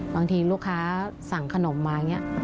บางทีลูกค้าสั่งขนมมาอย่างนี้